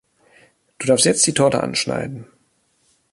Du darfst jetzt die Torte anschneiden.